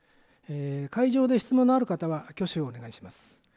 会場で質問のある方は挙手をお願いします。